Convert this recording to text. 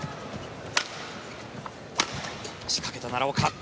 仕掛けた奈良岡。